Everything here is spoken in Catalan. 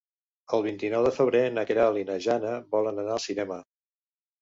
El vint-i-nou de febrer na Queralt i na Jana volen anar al cinema.